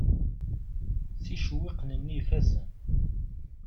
S yicewwiqen-nni ifazen.